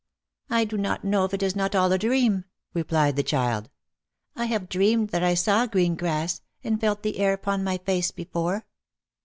" I do not know if it is not all a dream," replied the child. " I have dreamed that I saw green grass, and felt the air upon my face, before."